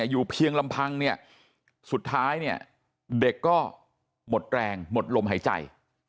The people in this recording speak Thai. อยู่เพียงลำพังเนี่ยสุดท้ายเนี่ยเด็กก็หมดแรงหมดลมหายใจ